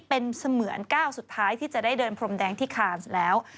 เป็นเสมือนก้าวสุดท้ายที่จะได้เดินพรมแดงที่คานแล้ว